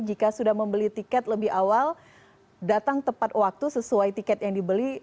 jika sudah membeli tiket lebih awal datang tepat waktu sesuai tiket yang dibeli